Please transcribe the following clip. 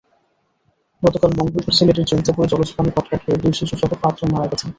গতকাল মঙ্গলবার সিলেটের জৈন্তাপুরে জলজ প্রাণী পটকা খেয়ে দুই শিশুসহ পাঁচজন মারা গেছেন।